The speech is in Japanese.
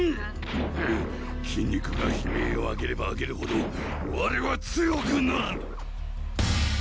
筋肉が悲鳴を上げれば上げるほどわれは強くなる！